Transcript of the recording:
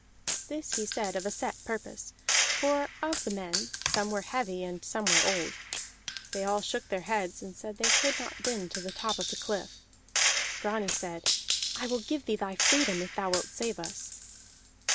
This he said of a set purpose, for of the men some were heavy and some were old. They all shook their heads and said they could not win to the top of the cliff. Grani said: "I will give thee thy freedom if thou wilt save us."